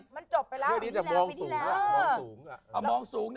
ไม่ใช่ก็ว่าเสียงสูงก็ได้